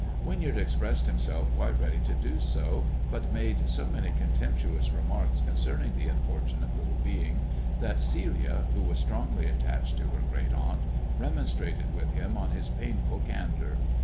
Winyard expressed himself quite ready to do so, but made so many contemptuous remarks concerning the unfortunate little being, that Celia, who was strongly attached to her great aunt, remonstrated with him on his painful candour.